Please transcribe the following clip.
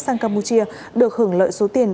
sang campuchia được hưởng lợi số tiền